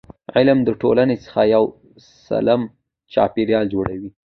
علم د ټولنې څخه یو سالم چاپېریال جوړوي.